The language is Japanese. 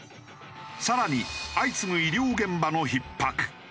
更に相次ぐ医療現場のひっ迫。